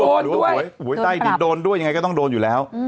หรือว่าหวยใต้ดินโดนด้วยยังไงก็ต้องโดนอยู่แล้ว